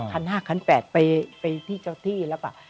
ครั้ง๕ครั้ง๘ไปที่เจ้าที่แล้วก็